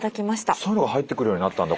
そういうのが入ってくるようになったんだ。